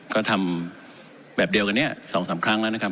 ก็ทำแบบเดียวกันนี้๒๓ครั้งแล้วนะครับ